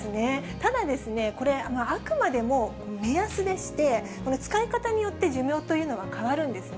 ただですね、これ、あくまでも目安でして、この使い方によって、寿命というのは変わるんですね。